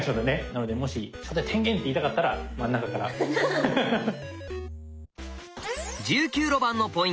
なのでもし「初手天元」と言いたかったら真ん中からハハッ。